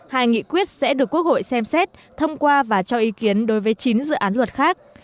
hai nghị quyết sẽ được quốc hội xem xét thông qua và cho ý kiến đối với chín dự án luật khác